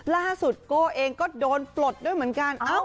โก้เองก็โดนปลดด้วยเหมือนกัน